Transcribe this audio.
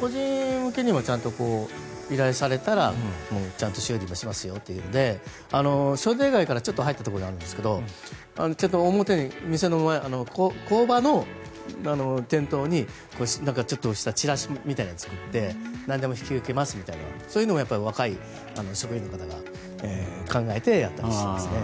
個人向けにもちゃんと依頼されたらちゃんと修理もしますよというので商店街から、ちょっと入ったところにあるんですがちゃんと表に、工場の店頭にちょっとしたチラシみたいなのを作ってなんでも引き受けますみたいなそういうのも若い職員の方が考えて、やったりしてますね。